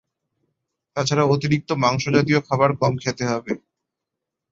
তাছাড়া অতিরিক্ত মাংস জাতীয় খাবার কম খেতে হবে।